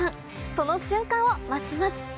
その瞬間を待ちます